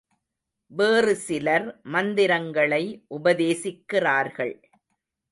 வேறு சிலர் மந்திரங்களை உபதேசிக்கிறார்கள்.